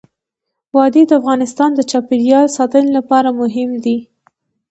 وادي د افغانستان د چاپیریال ساتنې لپاره مهم دي.